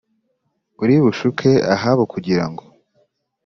uri bushuke Ahabu kugira ngo